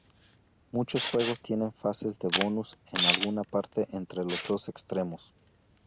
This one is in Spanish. Muchos juegos tienen fases de bonus en alguna parte entre los dos extremos.